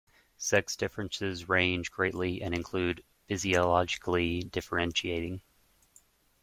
Sex differences range greatly and include physiologically differentiating.